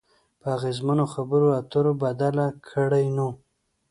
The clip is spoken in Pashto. په اغیزمنو خبرو اترو بدله کړئ نو